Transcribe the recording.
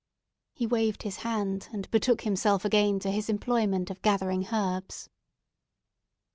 He waved his hand, and betook himself again to his employment of gathering herbs.